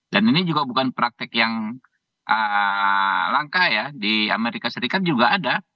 dan ini juga bukan praktek yang langka ya di amerika serikat juga ada